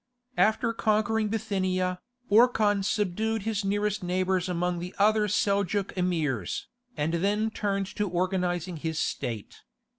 After conquering Bithynia, Orkhan subdued his nearest neighbours among the other Seljouk Emirs, and then turned to organizing his state.